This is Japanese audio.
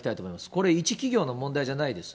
これ、一企業の問題じゃないです。